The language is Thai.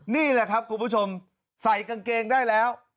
นี่แหละครับคุณผู้ชมใส่กางเกงได้แล้ว